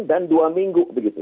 dan dua minggu begitu